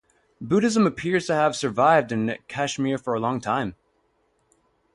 Buddhism appears to have survived in Kashmir for a long time.